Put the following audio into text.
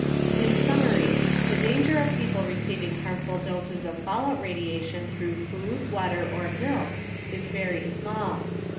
In summary, the danger of people receiving harmful doses of fallout radiation through food, water or milk is very small.